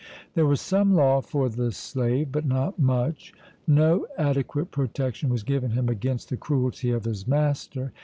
There was some law for the slave, but not much; no adequate protection was given him against the cruelty of his master...